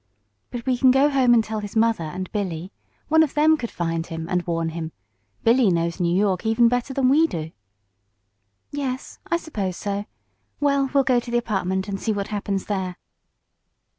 "But we can go home and tell his mother and Billy. One of them could find him, and warn him. Billy knows New York even better than we do." "Yes, I suppose so. Well, we'll go to the apartment and see what happens there."